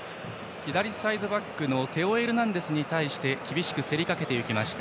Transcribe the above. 左サイドバックのテオ・エルナンデスに対して厳しく競りかけていきました。